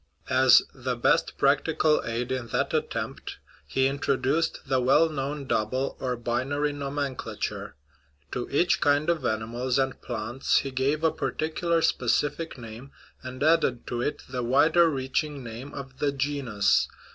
As the best practical aid in that at tempt he introduced the well known double or binary nomenclature; to each kind of animals and plants he gave a particular specific name, and added to it the wider reaching name of the genus.